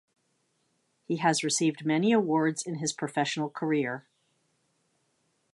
He has received many awards in his professional career.